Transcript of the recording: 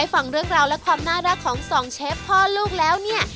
ฟังเรื่องราวและความน่ารักของสองเชฟพ่อลูกแล้วเนี่ย